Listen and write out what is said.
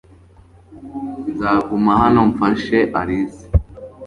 Nzaguma hano mfashe alice .